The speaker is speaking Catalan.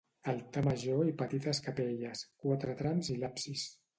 Altar major i petites capelles, quatre trams i l'absis.